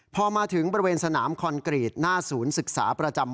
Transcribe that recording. พอมาถึงบริเวณสนามคอนกรีตหน้าศูนย์ศึกษาประจำ